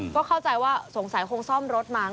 ก็เข้าใจว่าสงสัยคงซ่อมรถมั้ง